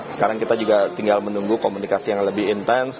sekarang kita juga tinggal menunggu komunikasi yang lebih intens